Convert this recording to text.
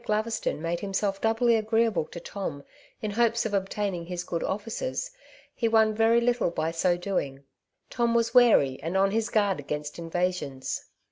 Glave ston made himself doubly agreeable to Tom in hopes of obtaining his good offices, he won very little by so doing j Tom was wary, and on his guard against invasions.